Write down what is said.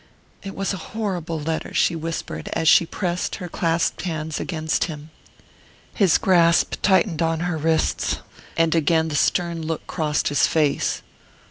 "It was a horrible letter " she whispered, as she pressed her clasped hands against him. His grasp tightened on her wrists, and again the stern look crossed his face.